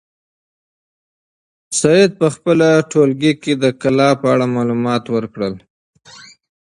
سعید په خپل ټولګي کې د کلا په اړه معلومات ورکړل.